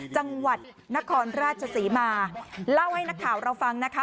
จังหวัดนครราชศรีมาเล่าให้นักข่าวเราฟังนะคะ